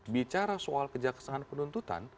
bicara soal kejaksaan penuntutan